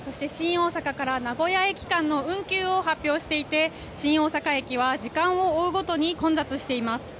大阪から名古屋駅間の運休を発表していて新大阪駅は時間を追うごとに混雑しています。